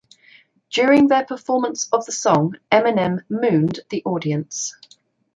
During their performance of the song, Eminem mooned the audience.